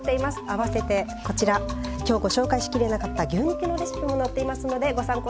あわせてこちら今日ご紹介しきれなかった牛肉のレシピも載っていますのでご参考になさって下さい。